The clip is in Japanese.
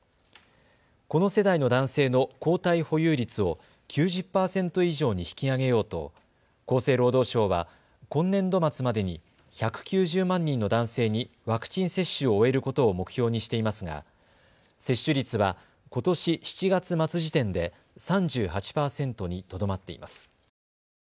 この世代の男性の抗体保有率を９０％以上に引き上げようと厚生労働省は今年度末までに１９０万人の男性にワクチン接種を終えることを目標にしていますが接種率は、ことし７月末時点で３８％にとどまっています。